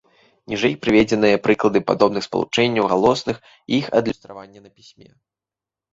Ніжэй прыведзеныя прыклады падобных спалучэнняў галосных і іх адлюстравання на пісьме.